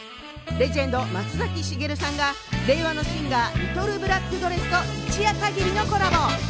レジェンド・松崎しげるさんが令和のシンガーリトルブラックドレスと一夜限りのコラボ。